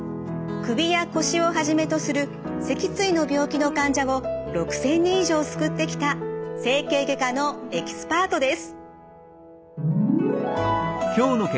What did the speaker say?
首や腰をはじめとする脊椎の病気の患者を６，０００人以上救ってきた整形外科のエキスパートです。